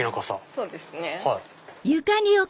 そうですね。